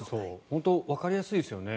本当にわかりやすいですよね。